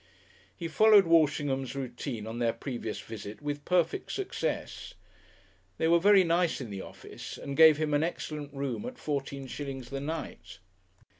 He followed Walshingham's routine on their previous visit with perfect success. They were very nice in the office, and gave him an excellent room at fourteen shillings the night.